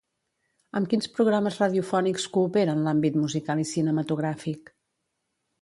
Amb quins programes radiofònics coopera en l'àmbit musical i cinematogràfic?